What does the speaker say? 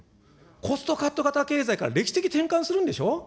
コストカット型経済から歴史的転換するんでしょう。